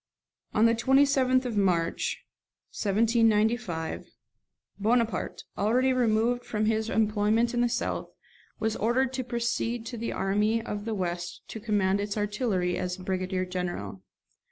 On the 27th of March 1795 Bonaparte, already removed from his employment in the south, was ordered to proceed to the army of the west to command its artillery as brigadier general.